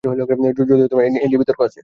যদিও এ নিয়ে বিতর্ক আছে।